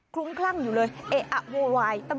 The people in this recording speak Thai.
ลุ้มคลั่งอยู่เลยเอ๊ะอะโวยวาย